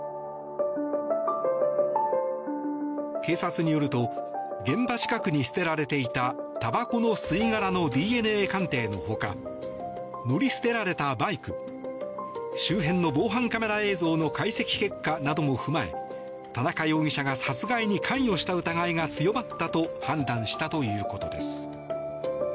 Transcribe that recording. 警察によると現場近くに捨てられていたたばこの吸い殻のＤＮＡ鑑定のほか乗り捨てられたバイク周辺の防犯カメラ映像の解析結果なども踏まえ田中容疑者が殺害に関与した疑いが強まったと判断したということです。